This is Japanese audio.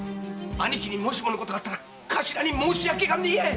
兄貴にもしものことがあったら頭に申しわけがねえやい！